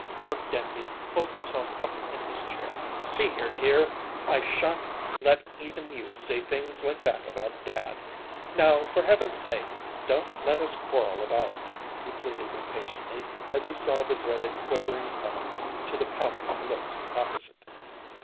Burke Denby pulled himself up in his chair. "See here, dear, I shan't let even you say things like that about dad. Now, for heaven's sake, don't let us quarrel about it," he pleaded impatiently, as he saw the dreaded quivering coming to the pouting lips opposite.